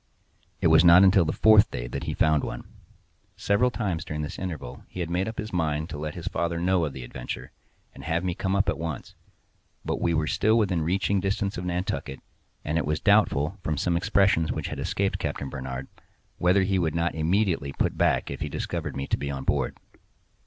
It was not until the fourth day that he found one. Several times during this interval he had made up his mind to let his father know of the adventure, and have me come up at once; but we were still within reaching distance of Nantucket, and it was doubtful, from some expressions which had escaped Captain Barnard, whether he would not immediately put back if he discovered me to be on board.